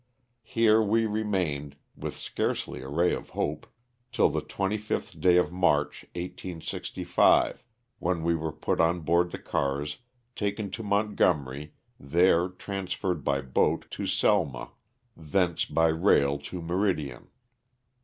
Here we re mained, with scarcely a ray of hope, till the 25th day of March, 1865, when we were put on board the cars, taken to Montgomery, there transferred by boat to Selma, thence by rail to Meridian.